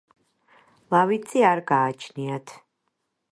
ლავიწი არ გააჩნიათ.